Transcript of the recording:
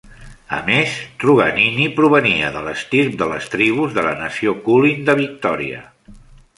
A més, Truganini provenia de l'estirp de les tribus de la Nació Kulin de Victoria.